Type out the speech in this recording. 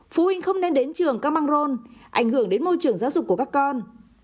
phụ huynh không nên đến trường các băng rôn ảnh hưởng đến môi trường giáo dục của các con